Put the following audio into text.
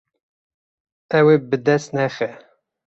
Ew ê bi dest nexe.